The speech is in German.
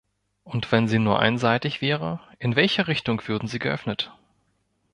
Und wenn sie nur einseitig wäre, in welcher Richtung würden sie geöffnet?